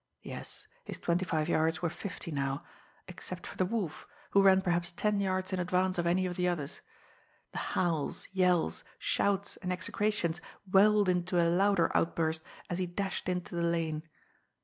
Yes, his twenty five yards were fifty now, except for the Wolf, who ran perhaps ten yards in advance of any of the others. The howls, yells, shouts and execrations welled into a louder outburst as he dashed into the lane.